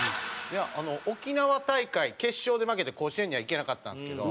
沖縄大会決勝で負けて甲子園には行けなかったんですけど。